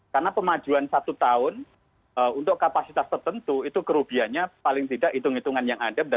karena pemajuan satu tahun untuk kapasitas tertentu itu kerubiannya paling tidak hitung hitungan yang ada